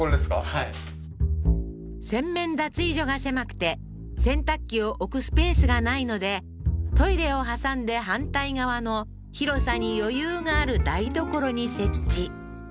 はい洗面脱衣所が狭くて洗濯機を置くスペースがないのでトイレを挟んで反対側の広さに余裕がある台所に設置